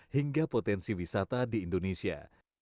hingga potensi wisata di indonesia